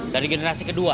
dari generasi kedua